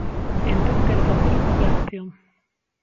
Entón quero facer unha aclaración.